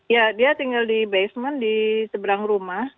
ya dia tinggal di basement di seberang rumah